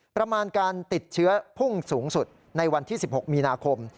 ประมาณการติดเชื้อพุ่งสูงสุดในวันที่๑๖มีนาคม